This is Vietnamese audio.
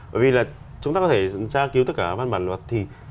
bởi vì là chúng ta có thể gia cứu tất cả văn bản luật thì